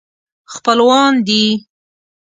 خپلوان دي.